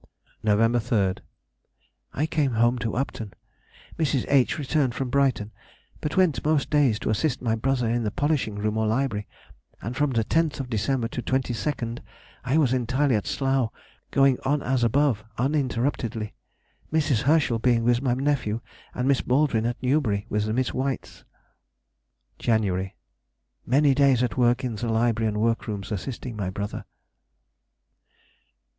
Nov. 3rd.—I came home to Upton (Mrs. H. returned from Brighton), but went most days to assist my brother in the polishing room or library, and from the 10th December to the 22nd I was entirely at Slough going on as above uninterruptedly, Mrs. Herschel being with my nephew, and Miss Baldwin at Newbury with the Miss Whites. Jan.—Many days at work in the library and workrooms assisting my brother.